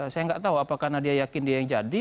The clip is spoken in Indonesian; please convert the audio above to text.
saya nggak tahu apakah nadia yakin dia yang jadi